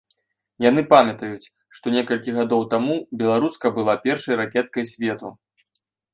Яны памятаюць, што некалькі гадоў таму беларуска была першай ракеткай свету.